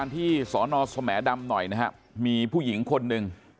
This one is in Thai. ที่สอนอสแหมดำหน่อยนะครับมีผู้หญิงคนหนึ่ง